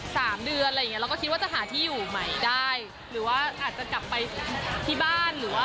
จะบอกว่าวุ้นอยากดูลูกตั้งแต่อายุ๓๐แล้ว